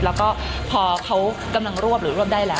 แล้วก็พอเขากำลังรวบหรือรวบได้แล้ว